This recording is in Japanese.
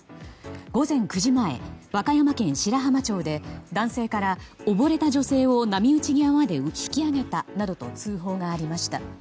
午前９時前、和歌山県白浜町で男性から溺れた女性を波打ち際まで引き上げたなどと通報がありました。